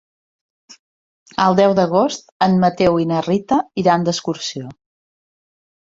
El deu d'agost en Mateu i na Rita iran d'excursió.